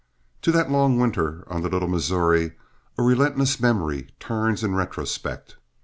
To that long winter on the Little Missouri a relentless memory turns in retrospect.